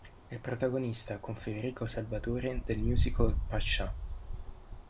È protagonista, con Federico Salvatore, del musical "Pascià".